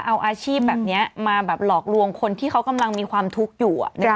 เอาอาชีพแบบนี้มาแบบหลอกลวงคนที่เขากำลังมีความทุกข์อยู่